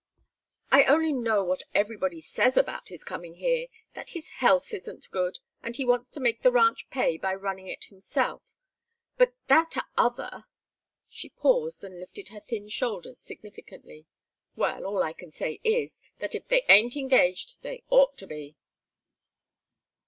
"I only know what everybody says about his coming here that his health ain't good, and he wants to make the ranch pay by running it himself; but that other " She paused and lifted her thin shoulders significantly. "Well, all I can say is, that if they ain't engaged they ought to be."